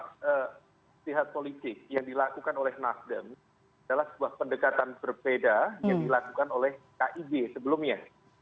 setiap politik yang dilakukan oleh nasdem adalah sebuah pendekatan berbeda yang dilakukan oleh kib sebelumnya